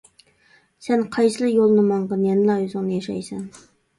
سەن قايسىلا يولنى ماڭغىن يەنىلا ئۆزۈڭنى ياشايسەن!